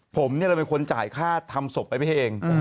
ผมเนี่ยเราเป็นคนจ่ายค่าทำศพไอ้ไปให้เอง